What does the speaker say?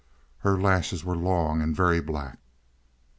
Her lashes were long and very black.